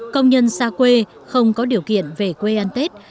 công nhân xa quê không có điều kiện về quê ăn tết